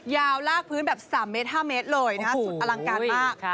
ยาวลากพื้นแบบ๓เมตร๕เมตรเลยนะสุดอลังการมาก